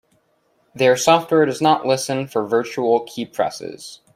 Their software does not listen for virtual keypresses.